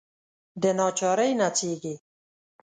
دناچارۍ نڅیږې